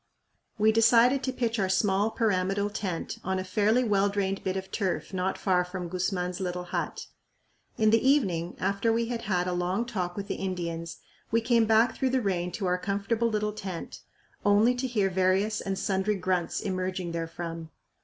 We decided to pitch our small pyramidal tent on a fairly well drained bit of turf not far from Guzman's little hut. In the evening, after we had had a long talk with the Indians, we came back through the rain to our comfortable little tent, only to hear various and sundry grunts emerging therefrom.